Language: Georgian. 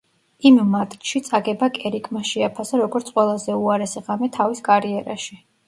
იმ მატჩში წაგება კერიკმა შეაფასა, როგორც ყველაზე უარესი ღამე თავის კარიერაში.